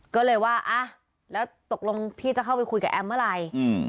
ก็เลยว่าแล้วตกลงพี่จะเข้าไปคุยกับแอมเมื่อไหร่